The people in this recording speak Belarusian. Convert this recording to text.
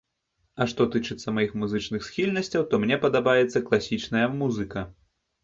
А што тычыцца маіх музычных схільнасцяў, то мне падабаецца класічная музыка.